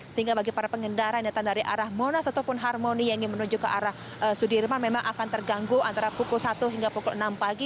sehingga bagi para pengendara yang datang dari arah monas ataupun harmoni yang ingin menuju ke arah sudirman memang akan terganggu antara pukul satu hingga pukul enam pagi